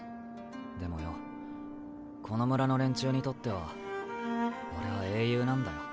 でもよこの村の連中にとっては俺は英雄なんだよ。